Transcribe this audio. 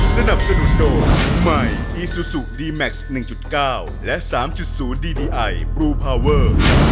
สนับสนุนโดยใหม่อีซูซูดีแม็กซ์๑๙และ๓๐ดีดีไอบลูพาวเวอร์